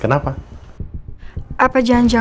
terima kasih sudah nonton